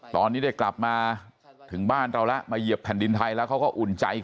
ตอนนี้ได้กลับมาถึงบ้านเราแล้วมาเหยียบแผ่นดินไทยแล้วเขาก็อุ่นใจ